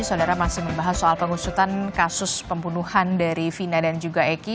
saudara masih membahas soal pengusutan kasus pembunuhan dari vina dan juga eki